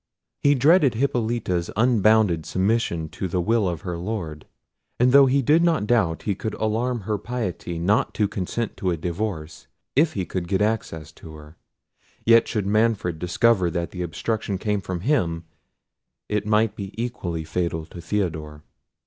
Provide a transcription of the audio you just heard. He dreaded Hippolita's unbounded submission to the will of her Lord; and though he did not doubt but he could alarm her piety not to consent to a divorce, if he could get access to her; yet should Manfred discover that the obstruction came from him, it might be equally fatal to Theodore.